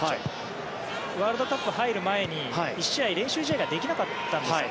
ワールドカップ入る前に１試合、練習試合ができなかったんですよ、